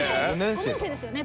５年生ですよね。